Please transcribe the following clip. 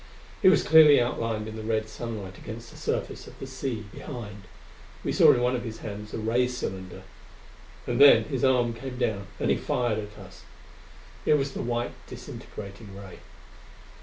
He was clearly outlined in the red sunlight against the surface of the sea behind. We saw in one of his hands a ray cylinder and then his arm came down and he fired at us. It was the white, disintegrating ray.